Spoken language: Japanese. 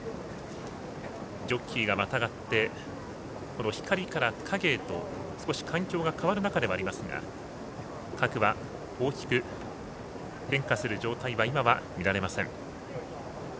ジョッキーがまたがってこの光から影へと少し環境が変わる中でもありますが各馬大きく変化する状態は今は見られません。